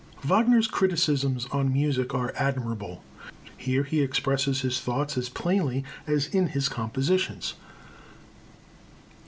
Wagner's criticisms on music are admirable. Here he expresses his thoughts as plainly as in his compositions.